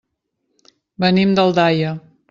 Venim d'Aldaia.